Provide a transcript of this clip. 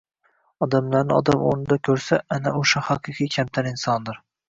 odamlarni odam o‘rnida ko‘rsa, ana o‘sha haqiqiy kamtar insondir.